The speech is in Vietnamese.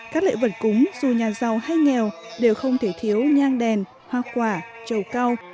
các lễ vật cúng dù nhà giàu hay nghèo đều không thể thiếu nhang đèn hoa quả trầu cao